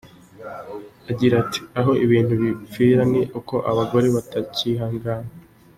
Agira ati “Aho ibintu bipfira ni uko abagore batacyihangana.